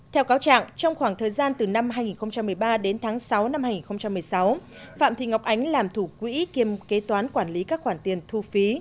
theo cáo trạng trong khoảng thời gian từ năm hai nghìn một mươi ba đến tháng sáu năm hai nghìn một mươi sáu phạm thị ngọc ánh làm thủ quỹ kiêm kế toán quản lý các khoản tiền thu phí